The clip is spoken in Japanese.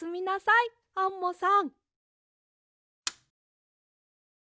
んんアンモさん！